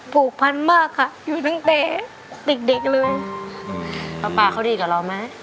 ผูกพันมากค่ะอยู่ตั้งแต่เด็กเด็กเลยป๊าป่าเขาดีกับเราไหม